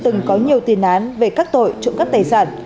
từng có nhiều tin án về cắt tội trộm cắt tài sản